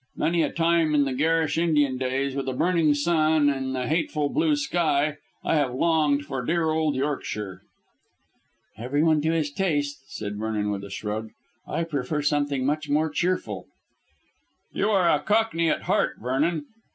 Many a time in the garish Indian days, with a burning sun in the hateful blue sky, have I longed for dear old Yorkshire." "Everyone to his taste," said Vernon with a shrug. "I prefer something much more cheerful." "You are a cockney at heart, Vernon."